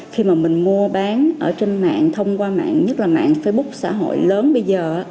khi mà mình mua bán ở trên mạng thông qua mạng nhất là mạng facebook xã hội lớn bây giờ